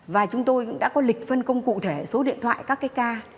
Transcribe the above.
và chúng tôi cũng đã có lịch phân công cụ thể số điện thoại các cái ca